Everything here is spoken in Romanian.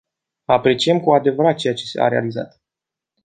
Apreciem, cu adevărat, ceea ce a realizat.